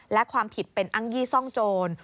และความผิดเป็นอ้างยี่ซ่องโจร